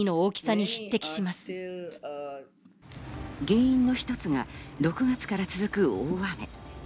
原因の一つが６月から続く大雨。